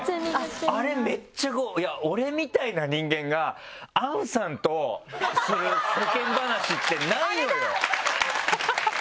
あれめっちゃいや俺みたいな人間が杏さんとする世間話ってないのよ。